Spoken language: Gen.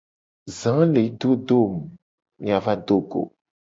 Za le do do mu, mia va do go.